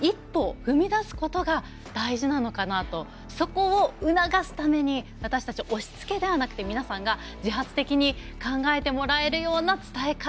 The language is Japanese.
そこを促すために私たち押しつけではなくて皆さんが自発的に考えてもらえるような伝え方っていうのが大事なのかなと。